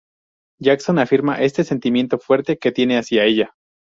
Jackson afirma este sentimiento fuerte que tiene hacia ella.